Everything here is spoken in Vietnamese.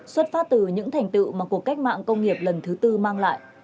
xuất phát từ những thành tựu mà cuộc cách mạng công nghiệp lần thứ tư mang lại